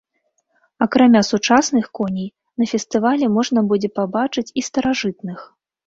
Акрамя сучасных коней на фестывалі можна будзе пабачыць і старажытных.